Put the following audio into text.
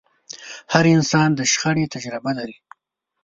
هر انسان د شخړې تجربه لري.